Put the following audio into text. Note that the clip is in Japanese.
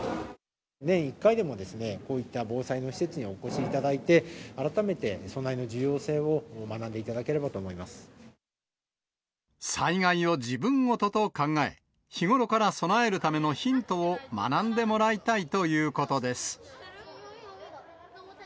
年１回でもですね、こういった防災の施設にお越しいただいて、改めて備えの重要性を災害を自分事と考え、日頃から備えるためのヒントを学んでもらいたいということです。